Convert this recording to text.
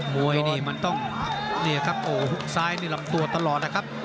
มวยนี่มันต้องเนี่ยครับโอ้โหฮุกซ้ายนี่ลำตัวตลอดนะครับ